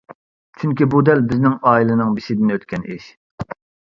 چۈنكى بۇ دەل بىزنىڭ ئائىلىنىڭ بېشىدىن ئۆتكەن ئىش.